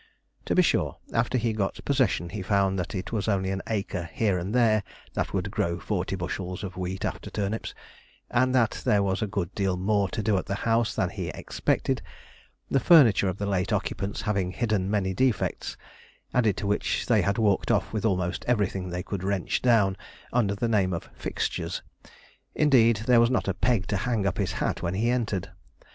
To be sure, after he got possession he found that it was only an acre here and there that would grow forty bushels of wheat after turnips, and that there was a good deal more to do at the house than he expected, the furniture of the late occupants having hidden many defects, added to which they had walked off with almost everything they could wrench down, under the name of fixtures; indeed, there was not a peg to hang up his hat when he entered.